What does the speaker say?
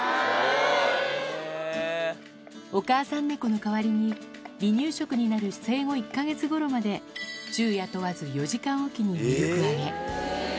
お母さん猫の代わりに、離乳食になる生後１か月ごろまで、昼夜問わず４時間置きにミルクをあげ。